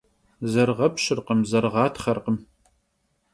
Zerığepşırkhım, zerığatxherkhım.